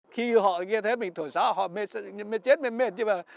khi họ nghe thấy mình thổi sáo họ mệt chết mệt mệt